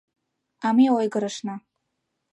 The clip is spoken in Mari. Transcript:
А ме ойгырышна.